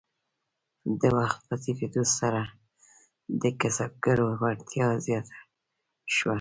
د وخت په تیریدو سره د کسبګرو وړتیا زیاته شوه.